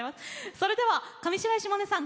それでは上白石萌音さん